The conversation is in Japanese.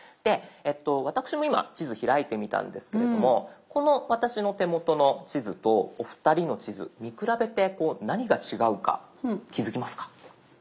私も今地図開いてみたんですけれどもこの私の手元の地図とお二人の地図見比べて何が違うか気付きますか？